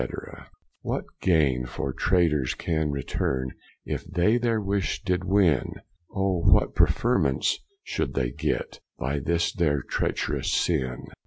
What gaine for traitors can returne, If they their wish did win? Or what preferment should they get, By this their trecherous sinne?